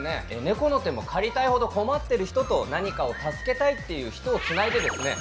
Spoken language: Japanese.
「猫の手も借りたいほど困ってる人」と「何かを助けたい」っていう人をつないでですね